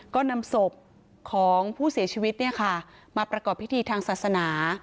ก็นำศพของผู้เสียชีวิตมาประกอบพิธีทางศาสนา